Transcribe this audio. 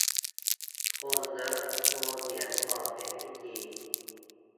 คนเยอะ โยนเหรียญพอเป็นพิธี